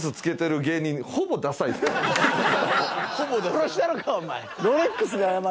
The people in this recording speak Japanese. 殺したろかお前。